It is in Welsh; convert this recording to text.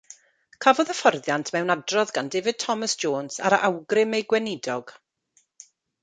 Cafodd hyfforddiant mewn adrodd gan David Thomas Jones ar awgrym ei gweinidog.